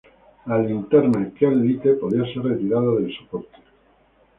La linterna Kel-Lite podía ser retirada del soporte.